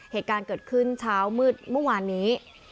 เหตุการณ์เกิดขึ้นเช้ามืดเมื่อวานนี้